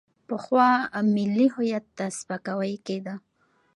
پخوا ملي هویت ته سپکاوی کېده.